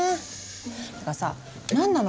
ってかさ何なの？